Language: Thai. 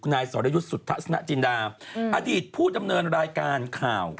นายสรยุทธ์สุทัศนจินดาอดีตผู้ดำเนินรายการข่าว